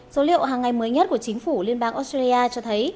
số liệu hàng ngày mới nhất của chính phủ liên bang australia cho thấy